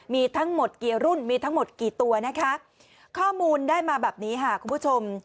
มีทั้งหมดกี่รุ่นมีทั้งหมดกี่ตัวนะคะข้อมูลได้มาแบบนี้ค่ะคุณผู้ชม